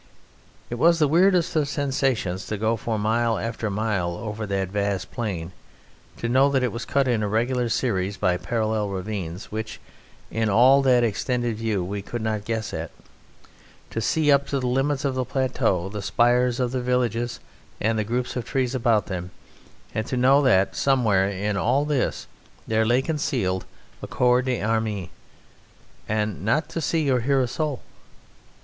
It was the weirdest of sensations to go for mile after mile over that vast plain, to know that it was cut in regular series by parallel ravines which in all that extended view we could not guess at; to see up to the limits of the plateau the spires of villages and the groups of trees about them, and to know that somewhere in all this there lay concealed a corps d'armée and not to see or hear a soul.